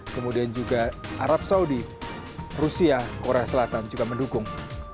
kemudian juga arab saudi rusia korea selatan juga mendukung